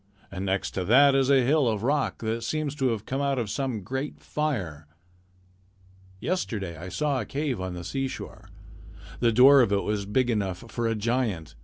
And next to that is a hill of rock that seems to have come out of some great fire. Yesterday I saw a cave on the seashore. The door of it was big enough for a giant.